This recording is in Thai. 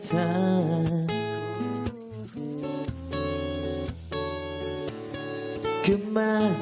เธอคนนี้คือคนที่ฉันขอบคุณ